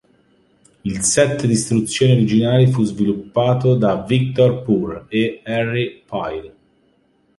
Il set di istruzioni originale fu sviluppato da Victor Poor e Harry Pyle.